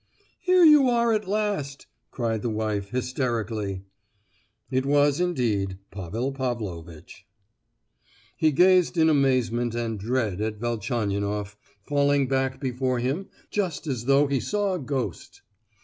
"Here you are at last," cried the wife, hysterically. It was indeed Pavel Pavlovitch. He gazed in amazement and dread at Velchaninoff, falling back before him just as though he saw a ghost.